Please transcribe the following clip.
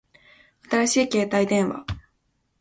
新しい携帯電話